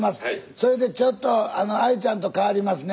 それでちょっとＡＩちゃんと代わりますね。